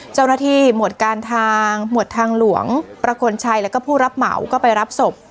หมวดการทางหมวดทางหลวงประคลชัยแล้วก็ผู้รับเหมาก็ไปรับศพ